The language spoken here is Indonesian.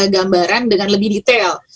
gambaran dengan lebih detail